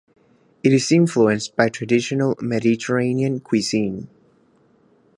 It is influenced by traditional Mediterranean cuisine.